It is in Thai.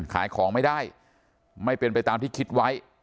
ขายของไม่ได้ไม่เป็นไปตามที่คิดไว้